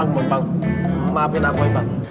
maafin aku ibang